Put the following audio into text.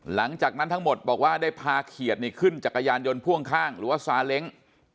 หลังจากนั้นทั้งหมดบอกว่าได้พาเขียดขึ้นจักรยานยนต์พ่วงข้างหรือว่าซาเล้ง